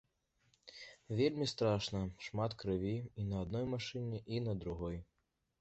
Вельмі страшна, шмат крыві і на адной машыне і на другой.